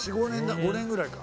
５年ぐらいか。